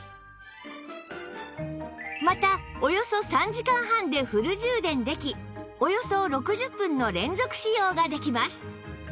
またおよそ３時間半でフル充電できおよそ６０分の連続使用ができます